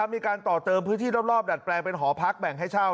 มีการต่อเติมพื้นที่รอบดัดแปลงเป็นหอพักแบ่งให้เช่า